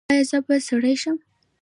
ایا زه باید سړی شم؟